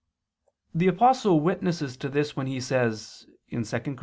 The Apostle witnesses to this when he says (2 Cor.